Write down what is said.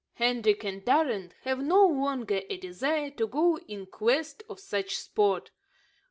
Hendrik and Arend have no longer a desire to go in quest of such sport.